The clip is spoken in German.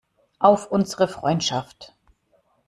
Auf unsere Freundschaft!